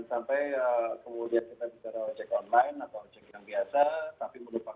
itu harus diakui dan itu harus di pr utama